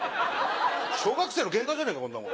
小学生のケンカじゃねえかこんなもん。